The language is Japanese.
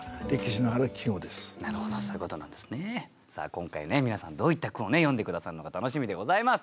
今回ね皆さんどういった句を詠んで下さるのか楽しみでございます。